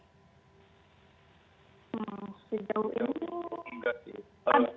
hmm sejauh ini tuh enggak sih